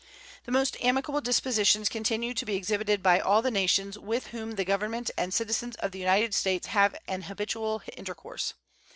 The most amicable dispositions continue to be exhibited by all the nations with whom the Government and citizens of the United States have an habitual intercourse.